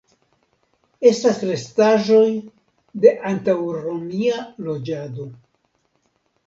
Estas restaĵoj de antaŭromia loĝado.